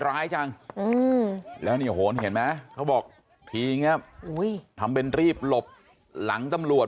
ร้ายจังแล้วนี่โหนเห็นไหมเขาบอกทีนี้ทำเป็นรีบหลบหลังตำรวจ